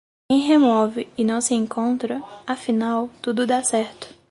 Quem remove e não se encontra, afinal, tudo dá certo.